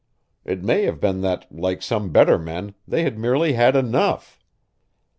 It may have been that, like some better men, they had merely had enough.